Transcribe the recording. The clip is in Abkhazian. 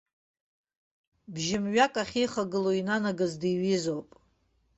Бжьы-мҩак ахьеихагылоу инанагаз диҩызоуп.